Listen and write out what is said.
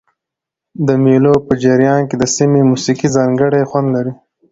د مېلو په جریان کښي د سیمي موسیقي ځانګړی خوند لري.